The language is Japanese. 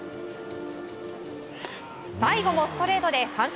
最後もストレートで三振。